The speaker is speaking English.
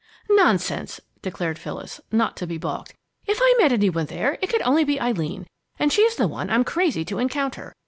"Nonsense!" declared Phyllis, not to be balked. "If I met any one there, it could only be Eileen, and she's the one I'm crazy to encounter.